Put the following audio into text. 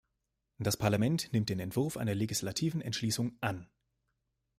Das Parlament nimmt den Entwurf einer legislativen Entschließung an.